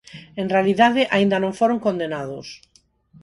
En realidade, aínda non foron condenados.